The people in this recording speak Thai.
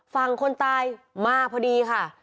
ฝั่งคนตายมาพอดีค่ะ